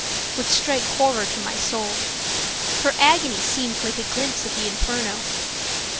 would strike horror to my soul. Her agony seemed like a glimpse of the inferno.